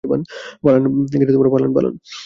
পালান, পালান!